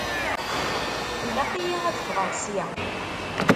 Ilaq-iyi ad ffɣeɣ ssya.